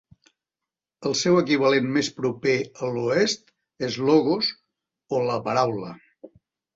El seu equivalent més proper a l'Oest és Logos o la "Paraula".